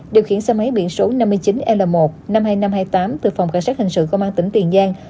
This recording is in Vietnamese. điều khiển xe máy biển số năm mươi chín l một trăm năm mươi hai nghìn năm trăm hai mươi tám từ phòng cảnh sát hình sự công an tỉnh tiền giang